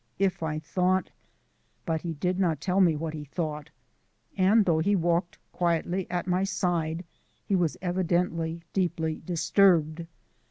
If I thought " But he did not tell me what he thought; and, though he walked quietly at my side, he was evidently deeply disturbed.